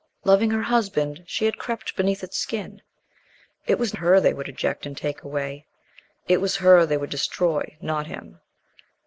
Loving her husband, she had crept beneath its skin. It was her they would eject and take away; it was her they would destroy, not him.